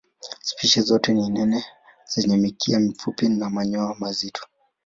Spishi zote ni nene zenye mkia mfupi na manyoya mazito.